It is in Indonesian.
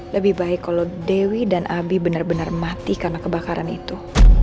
lebih baik kalau dewi dan abi benar benar mati karena kebakaran itu